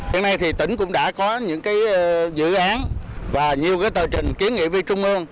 hiện nay thì tỉnh cũng đã có những cái dự án và nhiều cái tờ trình kiến nghị viên trung ương